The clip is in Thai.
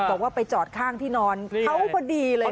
บอกว่าไปจอดข้างที่นอนเขาพอดีเลย